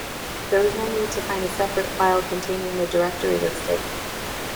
There was no need to find a separate file containing the directory listing.